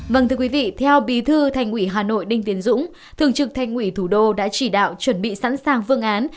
vâng thưa quý vị theo bí thư thành ủy hà nội đinh tiến dũng thường trực thành ủy thủ đô đã chỉ đạo chuẩn bị sẵn sàng phương án